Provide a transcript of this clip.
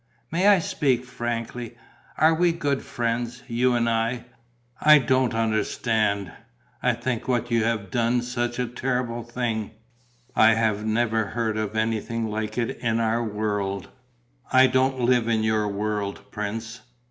May I speak frankly? Are we good friends, you and I? I don't understand. I think what you have done such a terrible thing. I have never heard of anything like it in our world." "I don't live in your world, prince."